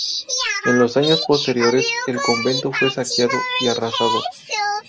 En los años posteriores el convento fue saqueado y arrasado.